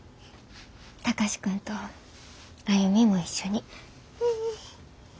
貴司君と歩も一緒に。